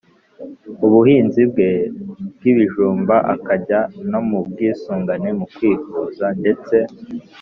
ubuhinzi bwe bw’ibijumba, akajya no mu bwisungane mu kwivuza ndetse